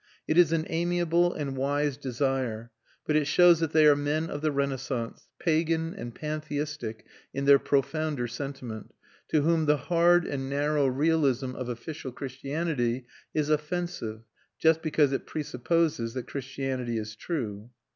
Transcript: It is an amiable and wise desire; but it shows that they are men of the Renaissance, pagan and pantheistic in their profounder sentiment, to whom the hard and narrow realism of official Christianity is offensive just because it presupposes that Christianity is true.